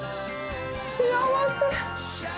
幸せ。